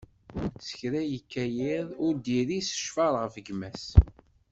S kra yekka yiḍ, ur d-iris ccfer ɣef gma-s.